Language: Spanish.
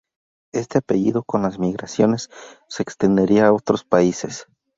Este apellido, con las migraciones, se extendería a otros países.